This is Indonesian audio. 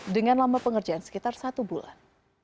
dengan lama pengerjaan sekitar satu bulan